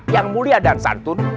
yang mulia dan santun